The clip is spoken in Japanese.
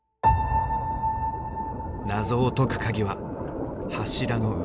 謎を解くカギは柱の上。